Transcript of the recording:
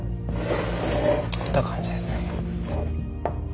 こんな感じですね。